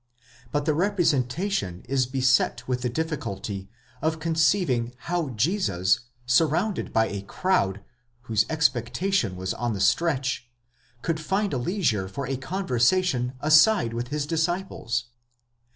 But the representation is beset with the difficulty of conceiving how Jesus, surrounded by a crowd, whose expectation was on the stretch, could find leisure for a conversation aside with his disciples.